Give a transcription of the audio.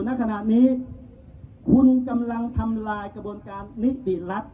ณขณะนี้คุณกำลังทำลายกระบวนการนิติรัฐ